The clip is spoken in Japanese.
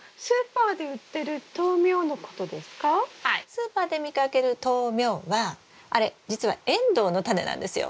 スーパーで見かける豆苗はあれ実はエンドウのタネなんですよ。